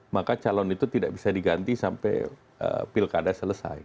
maka calon itu tidak bisa diganti sampai pilkada selesai